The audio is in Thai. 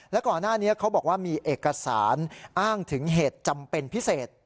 และก่อนหน้านี้เขาบอกว่ามีเอกสารอ้างถึงเหตุจำเป็นพิเศษ